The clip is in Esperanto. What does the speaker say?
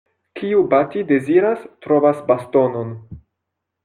Kiu bati deziras, trovas bastonon.